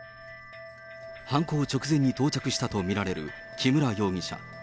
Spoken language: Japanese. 犯行直前に到着したと見られる木村容疑者。